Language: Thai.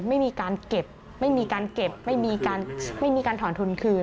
ไม่มีการเก็บไม่มีการถอนทุนคืน